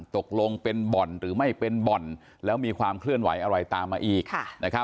ตกลงเป็นบ่อนหรือไม่เป็นบ่อนแล้วมีความเคลื่อนไหวอะไรตามมาอีก